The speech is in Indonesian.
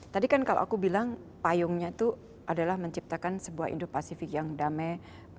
tadi kan kalau aku bilang payungnya itu adalah menciptakan sebuah indo pasifik yang damai